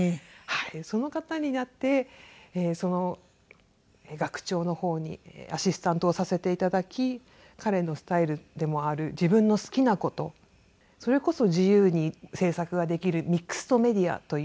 その方になって学長の方にアシスタントをさせて頂き彼のスタイルでもある自分の好きな事それこそ自由に制作ができるミックスドメディアという。